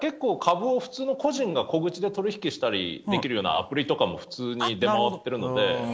株を普通の個人が小口で取り引きしたりできるようなアプリとかも普通に出回ってるので。